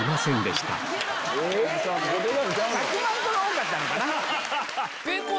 １００万個が多かったのかな。